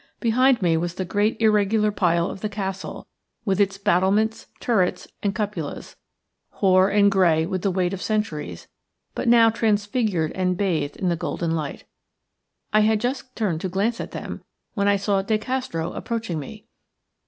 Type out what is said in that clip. Behind me was the great irregular pile of the castle, with its battlements, turrets, and cupolas, hoar and grey with the weight of centuries, but now transfigured and bathed in the golden light. I had just turned lo glance at them when I saw De Castro approaching me.